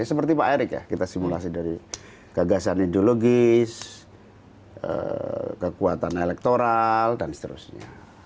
seperti pak erik ya kita simulasi dari gagasan ideologis kekuatan elektoral dan seterusnya